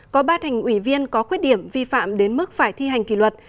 có ba thành ủy viên có khuyết điểm vi phạm đến mức phải thi hành kỷ luật